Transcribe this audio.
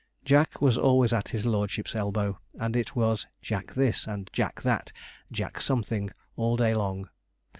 Jack was always at his lordship's elbow; and it was 'Jack' this, 'Jack' that, 'Jack' something, all day long.